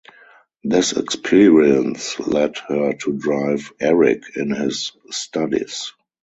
This experience led her to drive Eric in his studies.